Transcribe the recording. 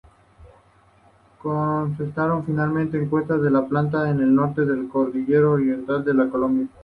Chesterton finalmente encuentra la planta en el norte de la Cordillera Occidental de Colombia.